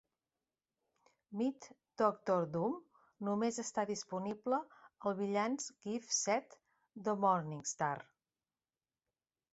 "Meet Doctor Doom" només està disponible al "Villains Gift Set" de Morningstar.